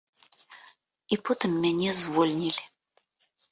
І потым мяне звольнілі.